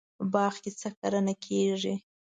باغ کې څه کرنه کیږي؟